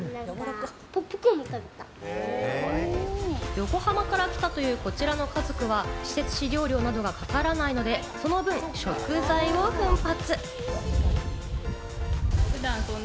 横浜から来たというこちらの家族は施設使用料などがかからないので、その分食材を奮発。